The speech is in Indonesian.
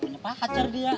kenapa pacar dia